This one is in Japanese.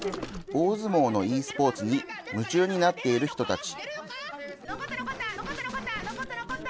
大相撲のｅスポーツに夢中になっている人たち。